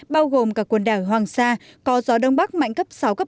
bao gồm cả quần đảo hoàng sa có gió đông bắc mạnh cấp sáu bảy